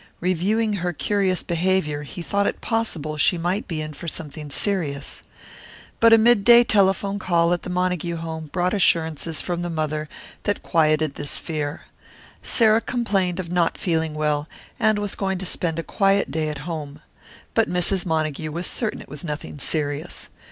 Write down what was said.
Reviewing her curious behaviour he thought it possible she might be in for something serious. But a midday telephone call at the Montague home brought assurances from the mother that quieted this fear. Sarah complained of not feeling well, and was going to spend a quiet day at home. But Mrs. Montague was certain it was nothing serious.